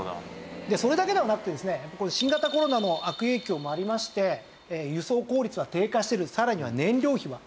それだけではなくてですね新型コロナの悪影響もありまして輸送効率は低下してるさらには燃料費はアップしてると。